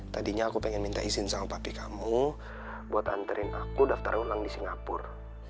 tadinya aku pengen minta izin sama papi kamu buat anterin aku daftar ulang di singapura